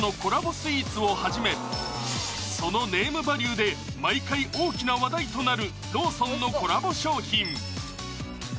スイーツをはじめそのネームバリューで毎回大きな話題となるローソンのコラボ商品